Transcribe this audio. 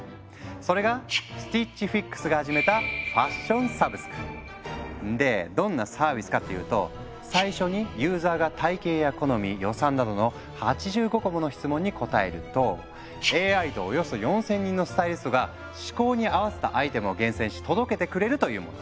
それがスティッチ・フィックスが始めたでどんなサービスかっていうと最初にユーザーが体型や好み予算などの８５個もの質問に答えるとＡＩとおよそ４，０００人のスタイリストが嗜好に合わせたアイテムを厳選し届けてくれるというもの。